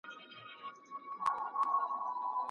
د روژې په میاشت کې د زړه پاکوالی او صبر زیاتیږي.